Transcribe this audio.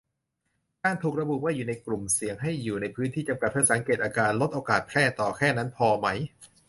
การถูกระบุว่าอยู่ในกลุ่มเสี่ยง ให้อยู่ในพื้นที่จำกัดเพื่อสังเกตอาการ-ลดโอกาสแพร่ต่อ แค่นั้นก็พอไหม